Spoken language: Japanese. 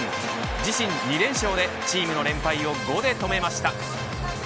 自身２連勝で、チームの連敗を５で止めました。